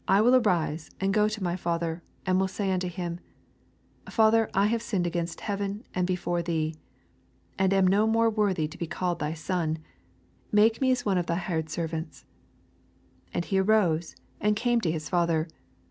lb 1 will arise and go to my father, and will say unto him, Father, I have sinned against heaven and be fore thee, 19 And am no more worthy to he called thy son : make me as one of thy hired servants. 20 And he arose, and came to his father.